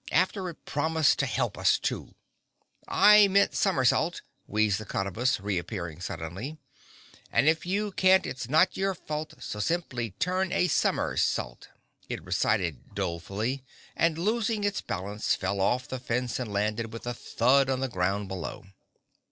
"After it promised to help us, too!" "I meant summersault," wheezed the Cottabus, reappearing suddenly— "And if you can't it's not your fault, So simply turn a summersault!" it recited dolefully, and losing its balance fell off the fence and landed with a thud on the ground below.